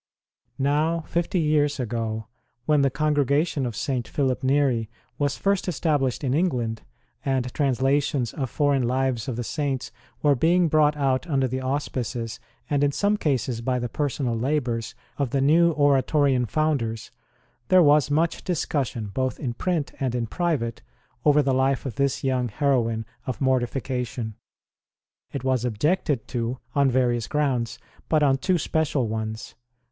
Now, fifty years ago, when the congregation of St. Philip Neri was first established in England, and translations of foreign lives of the Saints were being brought out under the auspices, and in some cases by the personal labours, of the new Ora torian founders, there was much discussion, both in print and in private, over the life of this young heroine of mortification. It was objected to on various grounds, but on two special ones.